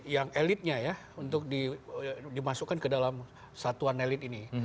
yang elitnya ya untuk dimasukkan ke dalam satuan elit ini